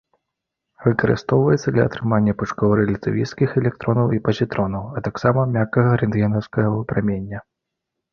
Выкарыстоўваецца для атрымання пучкоў рэлятывісцкіх электронаў і пазітронаў, а таксама мяккага рэнтгенаўскага выпрамянення.